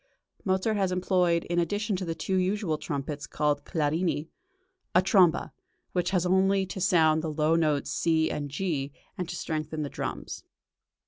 Mozart has employed, in addition to the two usual trumpets called "clarini," a tromba, which has only to sound the low notes C and G, and to strengthen the drums.